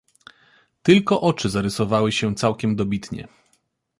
"Tylko oczy zarysowywały się całkiem dobitnie."